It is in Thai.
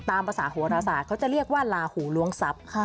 ตามภาษาโหรศาสตร์เขาจะเรียกว่าลาหูล้วงทรัพย์